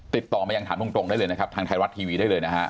ติดต่อมายังถามตรงได้เลยนะครับทางไทยรัฐทีวีได้เลยนะฮะ